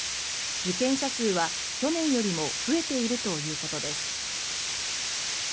受験者数は去年よりも増えているということです。